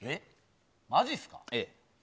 マジっすか？